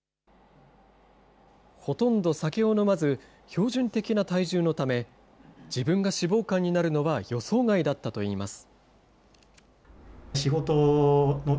ほとんど酒を飲まず、標準的な体重のため、自分が脂肪肝になるのは予想外だったといいます。